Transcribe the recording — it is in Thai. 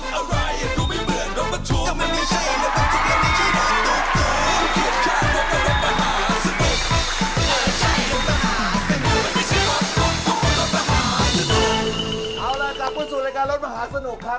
เอาล่ะกลับเข้าสู่รายการรถมหาสนุกครับ